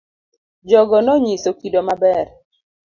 Jogo no nyiso kido ma ber.